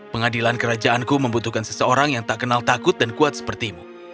pengadilan kerajaanku membutuhkan seseorang yang tak kenal takut dan kuat sepertimu